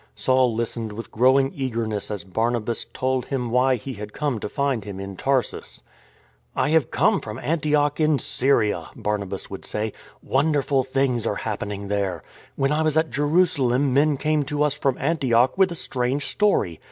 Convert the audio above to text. Saul lis tened with growing eagerness as Barnabas told him why he had come to find him in Tarsus. I have come from Antioch in Syria," Barnabas would say. " Wonderful things are happening there. 99 100 IN TRAINING When I was at Jerusalem men came to us from Antioch with a strange story.